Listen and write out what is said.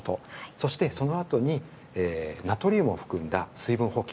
そして、そのあとにナトリウムを含んだ水分補給